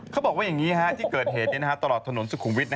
เขาบอกว่าอย่างนี้ที่เกิดเหตุตลอดถนนสุขุมวิทย